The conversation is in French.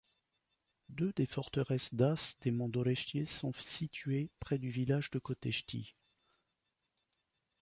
Deux des forteresses daces des monts d'Orăștie sont situées près du village de Costești.